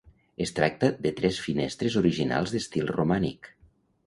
Es tracta de tres finestres originals d'estil romànic.